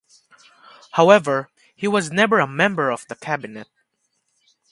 However, he was never a member of the cabinet.